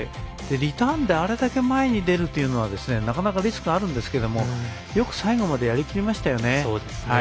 リターンであれだけ前に出るのはなかなかリスクあるんですがよく最後までやり切りましたよね。